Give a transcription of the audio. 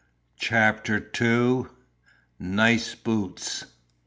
CHAPTER II. NICEBOOTS.